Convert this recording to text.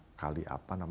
seperti di jakarta utara